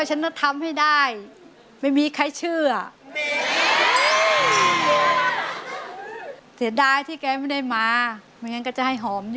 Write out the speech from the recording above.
สามีชื่ออะไรคะ